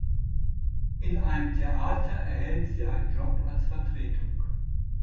In einem Theater erhält sie einen Job als Vertretung.